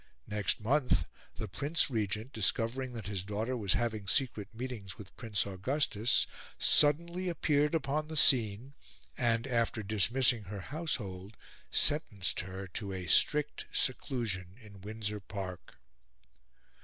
Next month the Prince Regent, discovering that his daughter was having secret meetings with Prince Augustus, suddenly appeared upon the scene and, after dismissing her household, sentenced her to a strict seclusion in Windsor Park.